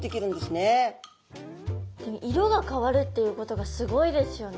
色が変わるっていうことがすごいですよね。